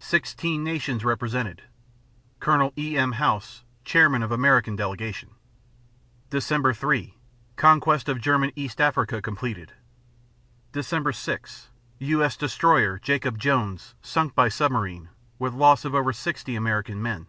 Sixteen nations represented. Col. E.M. House, chairman of American delegation. Dec. 3 Conquest of German East Africa completed. _Dec. 6 U.S. destroyer "Jacob Jones" sunk by submarine, with loss of over 60 American men.